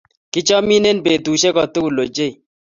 Kichamin en betushek kotugul ochei